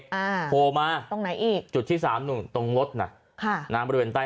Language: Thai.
อ่าโผล่มาตรงไหนอีกจุดที่สามนู่นตรงรถน่ะค่ะน้ำบริเวณใต้